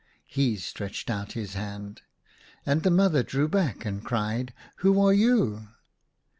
He stretched out his hand. And the mother drew back, and cried, "Who are you?"